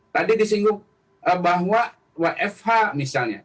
tadi disinggung bahwa wfh misalnya